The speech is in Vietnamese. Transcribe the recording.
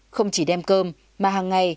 không chỉ đem cơm mà hàng ngày